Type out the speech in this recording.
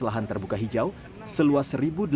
lahan terbuka hijau seluas